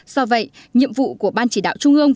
do vậy nhiệm vụ của ban chỉ đạo trung ương